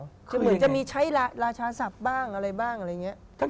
คือเหมือนจะมีใช้ราชาศัพท์บ้างอะไรบ้างอะไรอย่างนี้